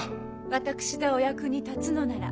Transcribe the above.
私でお役に立つのなら。